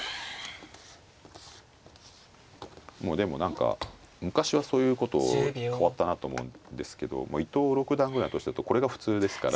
もうでも何か昔はそういうことを変わったなと思うんですけど伊藤六段ぐらいの年だとこれが普通ですから。